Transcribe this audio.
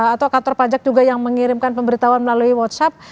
atau kantor pajak juga yang mengirimkan pemberitahuan melalui whatsapp